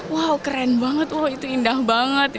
wow keren banget wow itu indah banget